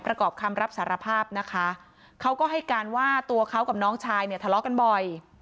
ประกอบคำรับสารภาพนะคะเขาก็ให้การว่าตัวเขากับน้องชายเนี่ยทะเลาะกันบ่อย